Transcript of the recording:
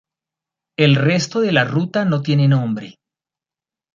El resto de la ruta no tiene nombre.